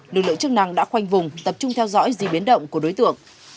lực lượng chức năng đã khoanh vùng tập trung theo dõi di biến động của đối tượng